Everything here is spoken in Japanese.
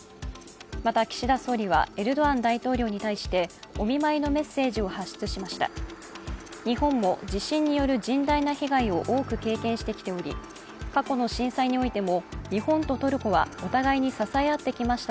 また岸田総理はエルドアン大統領に対してお見舞いのメッセージを発出しました。